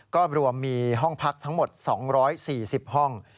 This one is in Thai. ก็รวมมีห้องพักทั้งหมด๒๔๐ห้อง